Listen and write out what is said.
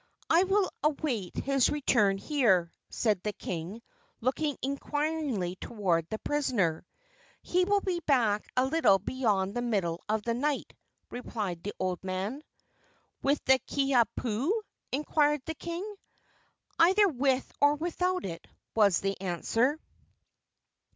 "I will await his return here," said the king, looking inquiringly toward the prisoner. "He will be back a little beyond the middle of the night," replied the old man. "With the Kiha pu?" inquired the king. "Either with or without it," was the answer.